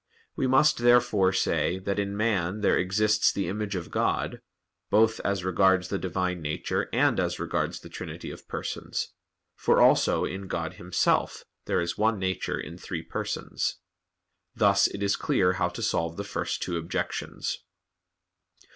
We must, therefore, say that in man there exists the image of God, both as regards the Divine Nature and as regards the Trinity of Persons; for also in God Himself there is one Nature in Three Persons. Thus it is clear how to solve the first two objections.